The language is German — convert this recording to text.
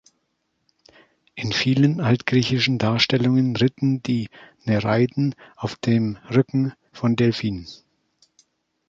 In vielen altgriechischen Darstellungen ritten die Nereiden auf dem Rücken von Delfinen.